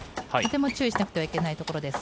注意しなくてはいけないところです。